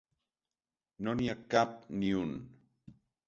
No n’hi ha cap n’hi un.